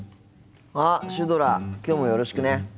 あっシュドラきょうもよろしくね。